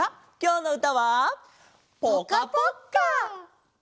「ぽかぽっか」。